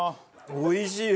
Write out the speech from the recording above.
おいしい！